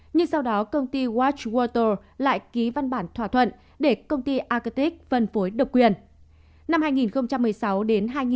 nhưng sau đó công ty watchwater lại ký văn bản thỏa thuận để công ty arctic phân phối độc quyền